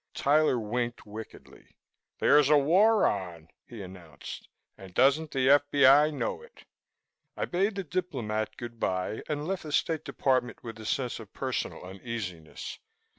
Tyler winked wickedly. "There's a war on," he announced, "and doesn't the F.B.I. know it!" I bade the diplomat good bye and left the State Department with a sense of personal uneasiness.